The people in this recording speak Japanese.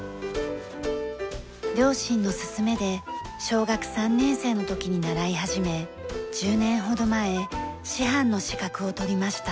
両親の勧めで小学３年生の時に習い始め１０年ほど前師範の資格を取りました。